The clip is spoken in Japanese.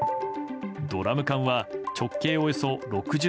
ドラム缶は、直径およそ６０ｃｍ